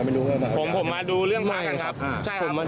พี่มาดูเรื่องภาพครับ